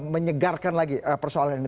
menyegarkan lagi persoalan ini